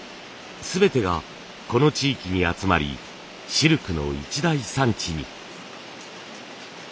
全てがこの地域に集まりシルクの一大産地に。